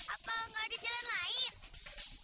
apa nggak ada jalan lain